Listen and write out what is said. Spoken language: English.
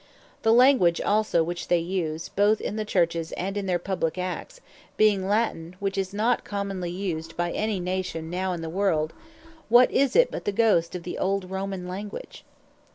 The Language also, which they use, both in the Churches, and in their Publique Acts, being Latine, which is not commonly used by any Nation now in the world, what is it but the Ghost of the Old Romane Language.